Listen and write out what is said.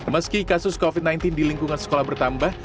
meski kasus covid sembilan belas di lingkungan sekolah bertambah